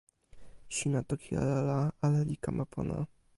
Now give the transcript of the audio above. sina toki ala la ale li kama pona.